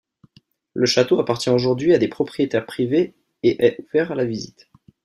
Le château appartient aujourd'hui à des propriétaires privés et est ouvert à la visite.